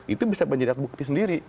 itu bisa menjadi alat bukti sendiri